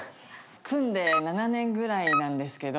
組んで７年ぐらいなんですけど。